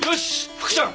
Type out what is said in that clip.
福ちゃん！